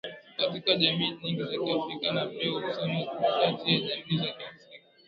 katika jamii nyingi za Kiafrika na pia uhusiano kati ya jamii za Kiafrika